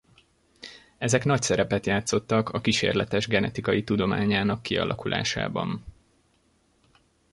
Ezek nagy szerepet játszottak a kísérletes genetikai tudományának kialakulásában.